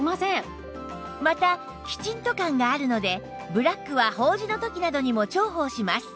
またきちんと感があるのでブラックは法事の時などにも重宝します